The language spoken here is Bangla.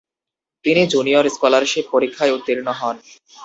তিনি জুনিয়র স্কলারশিপ পরীক্ষায় উত্তীর্ণ হন।